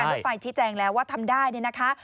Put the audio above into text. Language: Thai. รถไฟชี้แจงแล้วว่าทำได้เนี่ยนะคะ